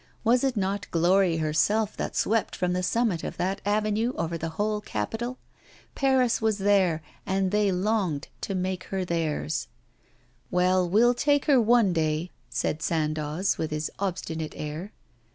Was it not glory herself that swept from the summit of that avenue over the whole capital? Paris was there, and they longed to make her theirs. 'Well, we'll take her one day,' said Sandoz, with his obstinate air.